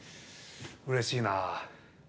うれしいなぁ。